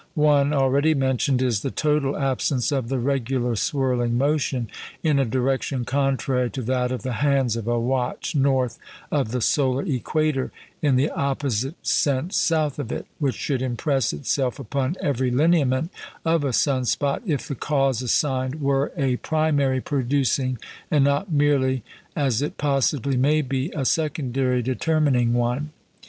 One (already mentioned) is the total absence of the regular swirling motion in a direction contrary to that of the hands of a watch north of the solar equator, in the opposite sense south of it which should impress itself upon every lineament of a sun spot if the cause assigned were a primary producing, and not merely (as it possibly may be) a secondary determining one.